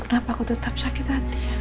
kenapa aku tetap sakit hati